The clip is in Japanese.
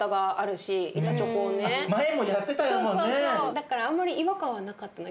だからあんまり違和感はなかったな。